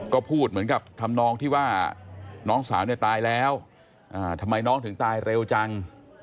ก็พูดเหมือนกับทำนองที่ว่าน้องสาวเนี่ยตายแล้วทำไมน้องถึงตายเร็วจัง